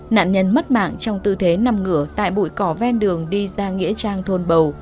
nạn nhân mất mạng trong tư thế nằm ngửa tại bụi cỏ ven đường đi ra nghĩa trang thôn bầu